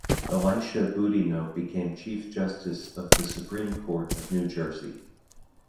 Elisha Boudinot became Chief Justice of the Supreme Court of New Jersey.